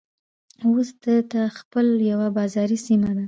اوس دته خېل يوه بازاري سيمه ده.